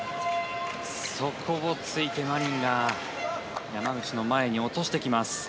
そこを突いてマリンが山口の前に落としてきます。